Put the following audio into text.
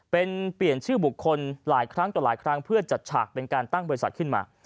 เป็นเปลี่ยนชื่อบุคคลหลายครั้งต่อหลายครั้งเพื่อจัดฉากเป็นการตั้งบริษัทขึ้นมา